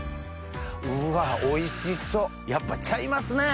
うわおいしそっやっぱちゃいますね！